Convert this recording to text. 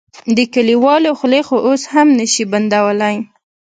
د کليوالو خولې خو اوس هم نه شې بندولی.